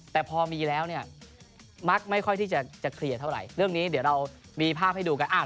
แต่พอมีแล้วเนี่ยมักไม่ค่อยที่จะเคลียร์เท่าไหร่เรื่องนี้เดี๋ยวเรามีภาพให้ดูกัน